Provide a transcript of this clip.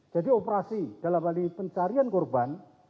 jadi operasi dalam hal pencarian korban